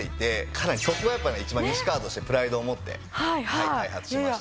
かなりそこがやっぱね一番西川としてプライドを持って開発しましたね。